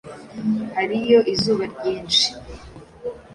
hari yo izuba ryinshi